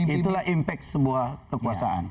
itulah impact sebuah kekuasaan